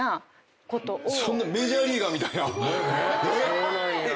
そうなんや。